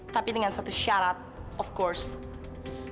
tapi dengan satu syarat tentu saja